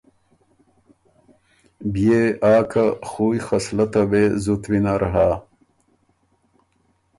بيې آ که خُویٛ خصلته وې زُت وینر هۀ۔